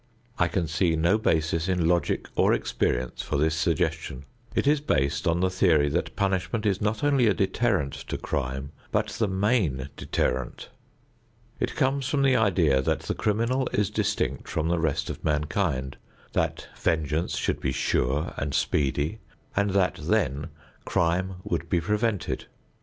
I can see no basis in logic or experience for this suggestion. It is based on the theory that punishment is not only a deterrent to crime, but the main deterrent. It comes from the idea that the criminal is distinct from the rest of mankind, that vengeance should be sure and speedy and that then crime would be prevented.